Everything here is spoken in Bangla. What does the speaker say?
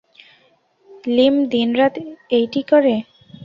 লীম দিনরাত এইটি করে।